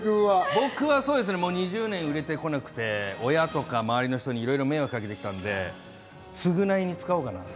僕は２０年売れてこなくて、親とか周りの人にいろいろ迷惑かけてきたんで、償いに使おうかなと。